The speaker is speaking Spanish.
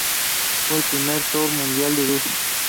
Fue el primer tour mundial de Duff.